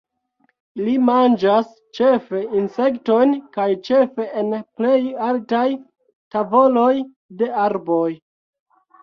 Ili manĝas ĉefe insektojn kaj ĉefe en plej altaj tavoloj de arboj.